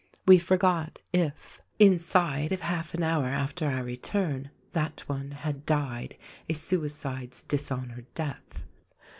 We forgot if. Inside of half an hour after our return that one had died a suicide's dishonored death.